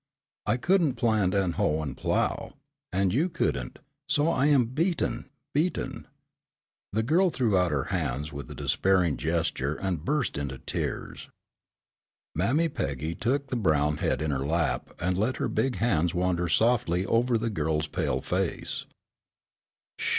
I couldn't plant and hoe and plow, and you couldn't, so I am beaten, beaten." The girl threw out her hands with a despairing gesture and burst into tears. Mammy Peggy took the brown head in her lap and let her big hands wander softly over the girl's pale face.